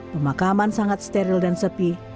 pemakaman sangat steril dan sepi